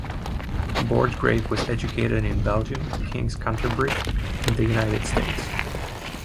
Borchgrave was educated in Belgium, King's Canterbury, and the United States.